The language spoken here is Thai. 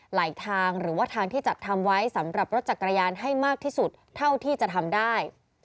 ทางหรือว่าทางที่จัดทำไว้สำหรับรถจักรยานให้มากที่สุดเท่าที่จะทำได้